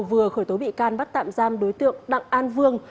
vừa khởi tố bị can bắt tạm giam đối tượng đặng an vương